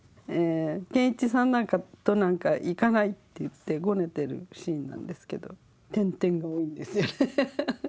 研一さんとなんかいかないっていってごねてるシーンなんですけど「」が多いんですよね。